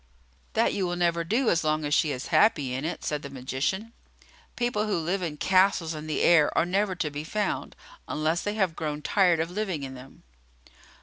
"That you will never do as long as she is happy in it," said the magician. "People who live in castles in the air are never to be found, unless they have grown tired of living in them."